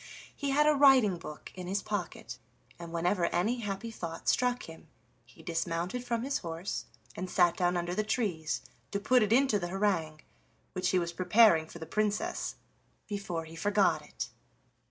He had a writing book in his pocket, and whenever any happy thought struck him he dismounted from his horse and sat down under the trees to put it into the harangue which he was preparing for the Princess, before he forgot it.